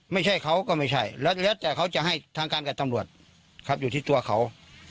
ไม่ใช่เขาก็ไม่ใช่แล้วแต่เขาจะให้ทางการกับตำรวจครับอยู่ที่ตัวเขา